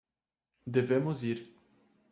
Devemos ir